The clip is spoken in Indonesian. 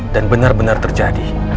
dan benar benar terjadi